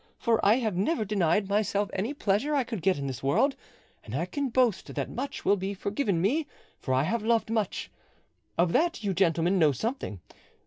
For I have never denied myself any pleasure I could get in this world, and I can boast that much will be forgiven me, for I have loved much: of that you, gentlemen, know something.